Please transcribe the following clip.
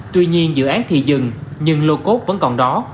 tuy nhiên dự án thì dừng nhưng lô cốt vẫn còn đó